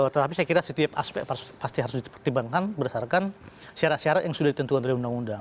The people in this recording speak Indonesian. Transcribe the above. tetapi saya kira setiap aspek pasti harus dipertimbangkan berdasarkan syarat syarat yang sudah ditentukan dari undang undang